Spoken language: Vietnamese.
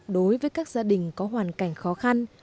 đối với các gia đình có hoàn cảnh khó khăn